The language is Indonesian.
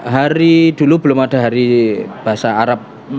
hari dulu belum ada hari bahasa arab